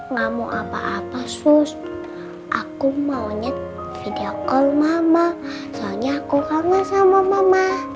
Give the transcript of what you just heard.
ngamu apa apa sus aku maunya video call mama soalnya aku kangen sama mama